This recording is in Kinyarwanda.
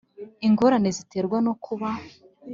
Ingorane ziterwa no kuba